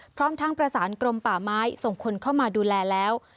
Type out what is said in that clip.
พร้อมทั้งประสานกรมป่าไม้ส่งคนเข้ามาดูแลแล้ว